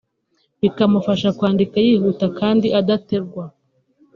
bikamufasha kwandika yihuta kandi adategwa